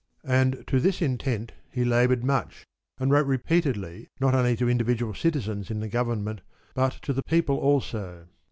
And to this intent he laboured much, and wrote re peatedly not only to individual citizens in the govern ment, but to the people also.